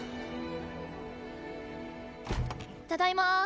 ただいま。